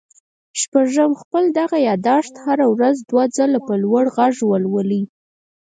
شپږم خپل دغه ياداښت هره ورځ دوه ځله په لوړ غږ ولولئ.